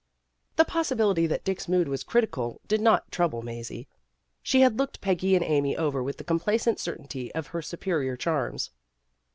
The possibility that Dick's mood was critical did not trouble Mazie. She had looked Peggy and Amy over with the complacent certainty of her superior charms.